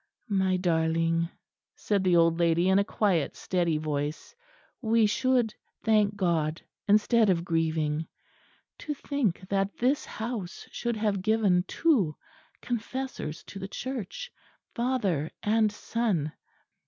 "My darling," said the old lady in a quiet steady voice, "we should thank God instead of grieving. To think that this house should have given two confessors to the Church, father and son!